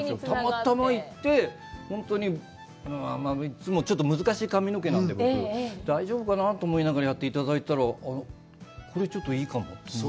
たまたま行って、本当に、いつもちょっと難しい髪の毛なので僕、大丈夫かなと思いながらやっていただいたら、これ、ちょっといいかもと思って。